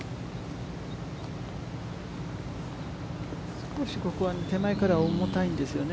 少しここは手前からは重たいんですよね